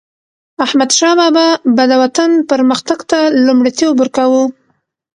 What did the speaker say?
احمدشاه بابا به د وطن پرمختګ ته لومړیتوب ورکاوه.